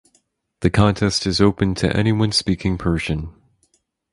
The contest is open to anyone speaking Persian.